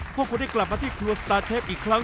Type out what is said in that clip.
พวกคุณได้กลับมาที่ครัวสตาร์เชฟอีกครั้ง